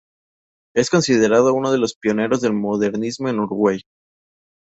Es considerado uno de los pioneros del modernismo en Uruguay.